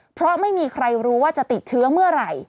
เพราะไม่มีใครรู้ว่าจะติดเชื้อเมื่อไหร่